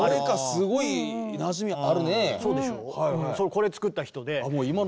これ作った人で。